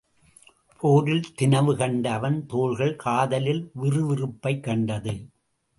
போரில் தினவு கண்ட அவன் தோள்கள் காதலில் விறு விறுப்பைக் கண்டது.